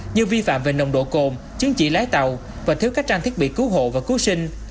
như vi phạm về nồng độ cồn chứng chỉ lái tàu và thiếu các trang thiết bị cứu hộ và cứu sinh